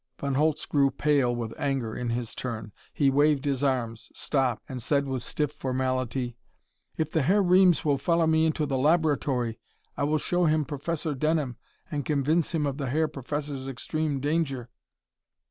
Von Holtz grew pale with anger in his turn. He waved his arms, stopped, and said with stiff formality: "If the Herr Reames will follow me into the laboratory I will show him Professor Denham and convince him of the Herr Professor's extreme danger."